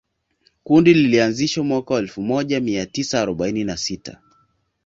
Kundi lilianzishwa mwaka wa elfu moja mia tisa arobaini na sita